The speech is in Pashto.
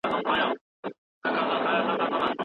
زده کړه له احساساتو پرته نیمګړې ده.